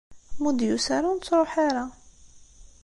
Ma ur d-yusi ara, ur nettruḥ ara.